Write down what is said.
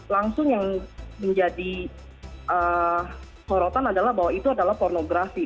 langsung yang menjadi sorotan adalah bahwa itu adalah pornografi